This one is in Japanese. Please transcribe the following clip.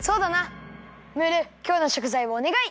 ムールきょうのしょくざいをおねがい！